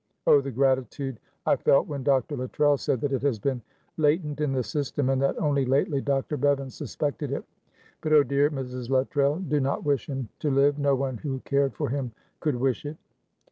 Oh, the gratitude I felt when Dr. Luttrell said that it has been latent in the system, and that only lately Dr. Bevan suspected it. But, oh, dear Mrs. Luttrell, do not wish him to live. No one who cared for him could wish it."